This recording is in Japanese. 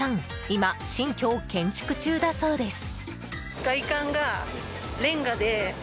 今、新居を建築中だそうです。